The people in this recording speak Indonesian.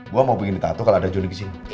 gue mau bikin tato kalau ada joni di sini